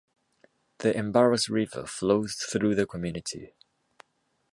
The Embarrass River flows through the community.